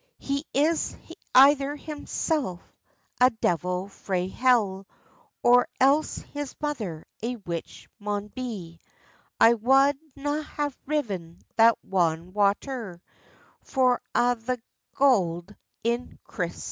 "He is either himsell a devil frae hell, Or else his mother a witch maun be; I wad na have ridden that wan water For a' the gowd in Christentie."